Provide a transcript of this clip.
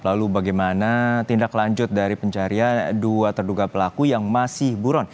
lalu bagaimana tindak lanjut dari pencarian dua terduga pelaku yang masih buron